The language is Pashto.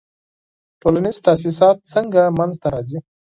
ټولنیز تاسیسات څنګه منځ ته راځي؟